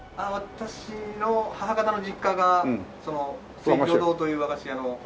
私の母方の実家が末廣堂という和菓子屋の。